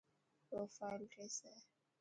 پروفائل ٺيسي.